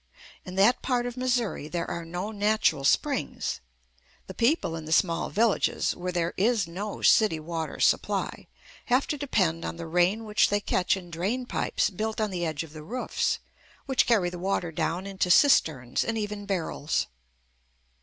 In that part of Missouri there are no natural springs. The people in the small villages where there is no city water supply have to depend on the rain which they catch in drain pipes built on the edge of the roofs, which carry the water down into cisterns and even barrels.